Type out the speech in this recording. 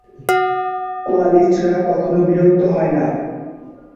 কোয়ালিস্টরা কখনো বিরক্ত হয় না।